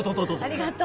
ありがとう。